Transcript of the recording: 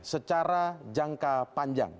secara jangka panjang